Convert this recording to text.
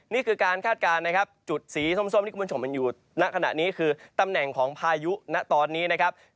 นี่คือการคาดการณ์นะครับจุดสีส้มที่คุณผู้ชมเห็นอยู่ณขณะนี้คือตำแหน่งของพายุณตอนนี้นะครับ